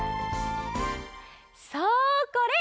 そうこれ！